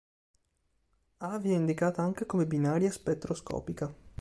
A viene indicata anche come binaria spettroscopica.